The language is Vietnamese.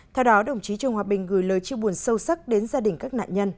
theo đó đồng chí trương hòa bình gửi lời chiêu buồn sâu sắc đến gia đình các nạn nhân